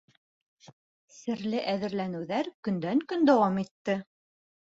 Серле әҙерләнеүҙәр көндән көн дауам итте.